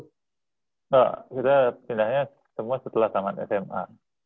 kita pindahnya semua setelah tangan sma